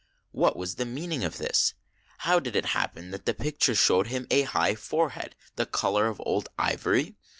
What was the meaning of this ? How did it happen that the picture showed him a high forehead, the color of old ivory?